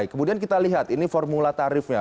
kemudian kita lihat ini formula tarifnya